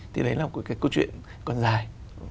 thì đấy là một cái câu chuyện còn dài